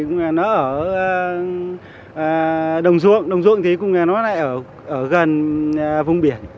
nó ở đồng duộng đồng duộng thì cũng là nó lại ở gần vùng biển